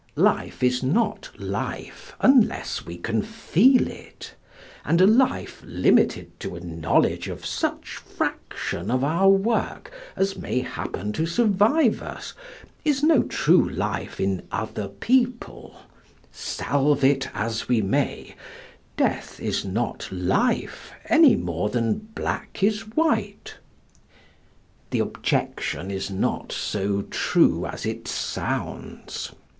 Life is not life unless we can feel it, and a life limited to a knowledge of such fraction of our work as may happen to survive us is no true life in other people; salve it as we may, death is not life any more than black is white. The objection is not so true as it sounds.